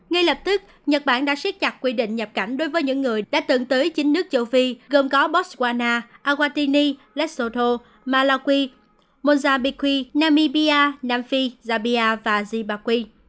ngay lập tức nhật bản đã xếp chặt quy định nhập cảnh đối với những người đã tượng tới chính nước châu phi gồm có botswana awatini lesotho malawi mozambique namibia nam phi zambia và zimbabwe